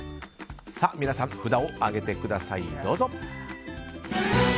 皆さん、札を上げてください。